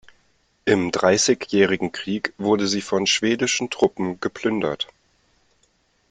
Im Dreissigjährigen Krieg wurde sie von schwedischen Truppen geplündert.